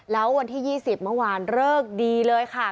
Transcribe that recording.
แล้ววันที่๒๐เมื่อวานเลิกดีเลยค่ะ